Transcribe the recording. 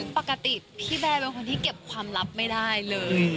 ปกติพี่แบร์เป็นคนที่เก็บความลับไม่ได้เลย